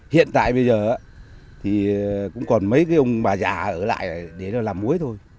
hiện tại bây giờ thì cũng còn mấy ông bà già ở lại để làm muối thôi